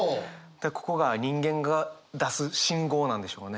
ここが人間が出す信号なんでしょうね。